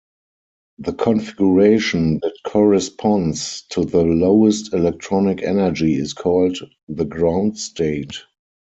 The configuration that corresponds to the lowest electronic energy is called the ground state.